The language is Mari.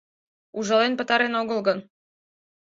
Ужален пытарен огыл гын.